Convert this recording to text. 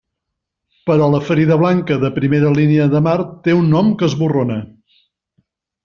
Però la ferida blanca de primera línia de mar té un nom que esborrona.